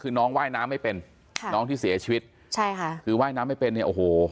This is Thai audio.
คือน้องว่ายน้ำไม่เป็นค่ะน้องที่เสียชีวิตใช่ค่ะคือว่ายน้ำไม่เป็นเนี่ยโอ้โห